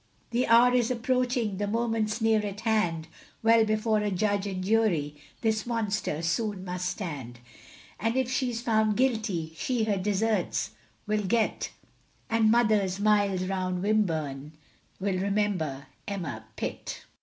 The hour is approaching, The moments near at hand, When before a Judge and Jury, This monster soon must stand; And if she is found guilty, She her deserts will get, And mother's, miles round Wimborne, Will remember Emma Pitt.